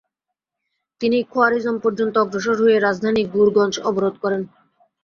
তিনি খোয়ারিজম পর্যন্ত অগ্রসর হয়ে রাজধানী গুরগঞ্জ অবরোধ করেন।